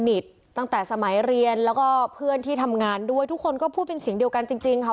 ตั้งแต่สมัยเรียนแล้วก็เพื่อนที่ทำงานด้วยทุกคนก็พูดเป็นเสียงเดียวกันจริงค่ะ